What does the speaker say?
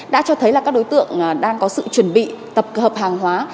đã cho thấy là các đối tượng đang có sự chuẩn bị tập hợp hàng hóa